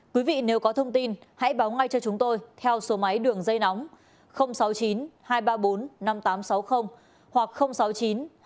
quý vị nếu có thông tin hãy báo ngay cho chúng tôi theo số máy đường dây nóng sáu mươi chín hai trăm ba mươi bốn năm nghìn tám trăm sáu mươi hoặc sáu mươi chín hai trăm ba mươi hai một nghìn sáu trăm sáu mươi bảy